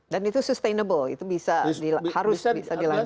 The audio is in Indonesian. dan itu sustainable itu bisa harus bisa dilanjutkan